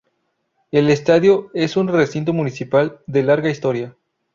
El estadio es un recinto municipal de larga historia.